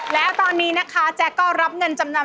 แล้วตอนนี้นะคะแจ๊กก็รับเงินจำนำ